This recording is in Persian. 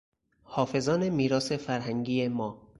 حافظان میراث فرهنگی ما